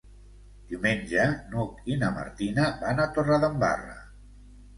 Diumenge n'Hug i na Martina van a Torredembarra.